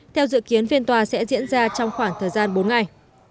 theo dự kiến phiên tòa sẽ diễn ra trong khoảng thời gian bốn ngày